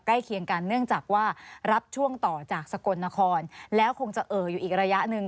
เคียงกันเนื่องจากว่ารับช่วงต่อจากสกลนครแล้วคงจะเอ่ออยู่อีกระยะหนึ่ง